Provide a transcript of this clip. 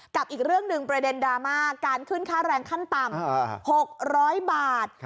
กับอีกเรื่องหนึ่งประเด็นดราม่าการขึ้นค่าแรงขั้นต่ำ๖๐๐บาท